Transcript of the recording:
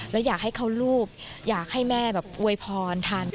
แล้วอยากให้เขารูปอยากให้แม่แบบอวยพรทาน